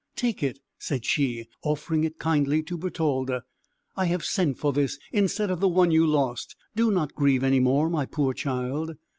"Take it," said she, offering it kindly to Bertalda; "I have sent for this, instead of the one you lost; do not grieve any more, my poor child."